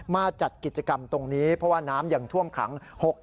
มาจัดกิจกรรมตรงนี้เพราะว่าน้ำยังท่วมขัง